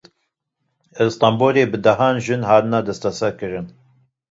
Li Stenbolê bi dehan jin hatin desteserkirin.